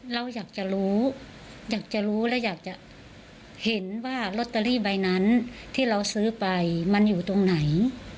เราอยากจะรู้อยากจะรู้และอยากจะเห็นว่าลอตเตอรี่ใบนั้นที่เราซื้อไปมันอยู่ตรงไหน